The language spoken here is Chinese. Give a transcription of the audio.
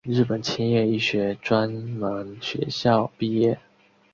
日本千叶医学专门学校毕业。